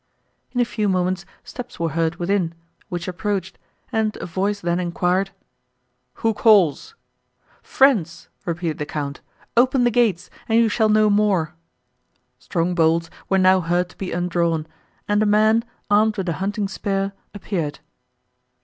In a few moments, steps were heard within, which approached, and a voice then enquired—"Who calls?" "Friends," repeated the Count; "open the gates, and you shall know more."—Strong bolts were now heard to be undrawn, and a man, armed with a hunting spear, appeared.